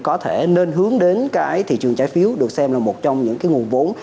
có thể nên hướng đến cái thị trường trái phiếu được xem là một trong những cái nguồn vốn